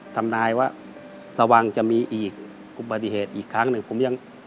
ทำนายว่าระวังจะมีอีกอุบัติเหตุอีกครั้งหนึ่งผมยัง